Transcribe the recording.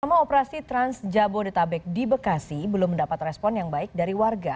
tema operasi trans jabodetabek di bekasi belum mendapat respon yang baik dari warga